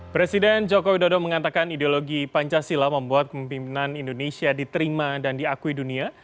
presiden joko widodo mengatakan ideologi pancasila membuat kemimpinan indonesia diterima dan diakui dunia